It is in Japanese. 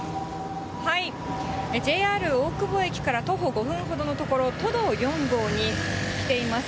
ＪＲ大久保駅から徒歩５分ほどの所、都道４号に来ています。